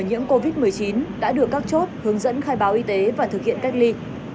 nhiễm covid một mươi chín đã được các chốt hướng dẫn khai báo y tế và thực hiện cách ly